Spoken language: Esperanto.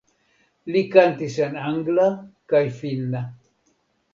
Li kantis en angla kaj finna.